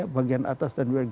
bagian atas dan bagian